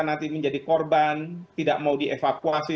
nanti menjadi korban tidak mau dievakuasi